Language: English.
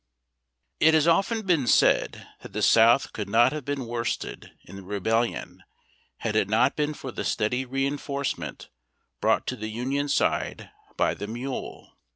" T has often been said that the South could not have been worsted in the Rebellion had it not been for the steady re enforcement brought to the Union side by the mule.